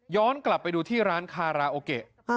กลับไปดูที่ร้านคาราโอเกะ